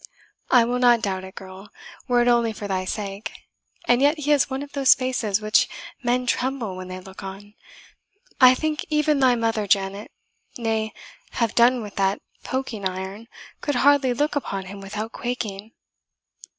"I will not doubt it, girl, were it only for thy sake; and yet he has one of those faces which men tremble when they look on. I think even thy mother, Janet nay, have done with that poking iron could hardly look upon him without quaking."